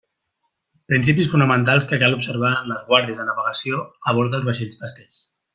Principis fonamentals que cal observar en les guàrdies de navegació a bord dels vaixells pesquers.